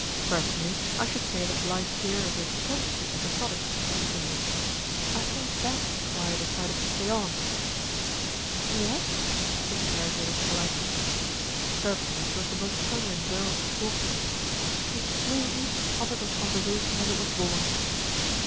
"Personally I should say that life here is intensely episodic," he continued. "I think that is why I decided to stay on." "Yes?" she interrogated politely. Certainly she was the most puzzling girl to talk to. She slew each topic of conversation as it was born.